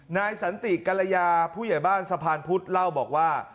นายสันติกรยาผู้ใหญ่บ้านสะพานพุทธเล่าบอกว่า